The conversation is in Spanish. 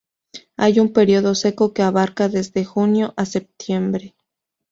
Hay un período seco que abarca desde junio a septiembre.